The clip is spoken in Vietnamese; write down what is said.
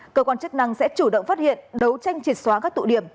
cơ quan chức năng sẽ chủ động phát hiện đấu tranh triệt xóa các tụ điểm